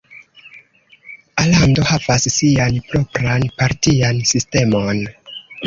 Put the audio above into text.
Alando havas sian propran partian sistemon.